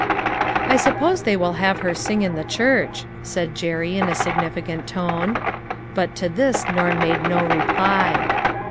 "I suppose they will have her sing in the church," said Jerry in a significant tone. But to this, Norm made no reply.